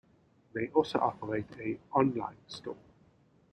They also operate a On-Line Store.